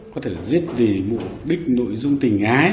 có thể là giết vì mục đích nội dung tình ái